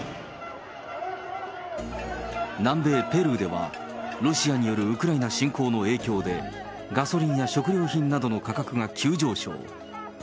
南米ペルーでは、ロシアによるウクライナ侵攻の影響でガソリンや食料品などの価格が急上昇。